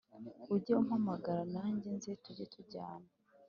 ujye umpamagara nanjye nze tujye tujyana